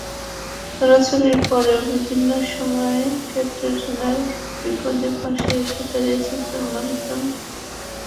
ছাড়াছাড়ির পরেও বিভিন্ন সময় ক্যাটরিনার বিপদে পাশে এসেও দাঁড়িয়েছেন সালমান খান।